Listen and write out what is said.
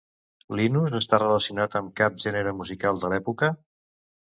Linus està relacionat amb cap gènere musical de l'època?